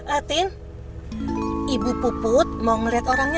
atin ibu puput mau ngeliat orangnya